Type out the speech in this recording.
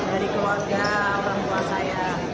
dari keluarga orang tua saya